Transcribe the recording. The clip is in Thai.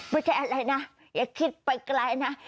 ไม่ใช่อะไรนะอย่าคิดไปไกลนะ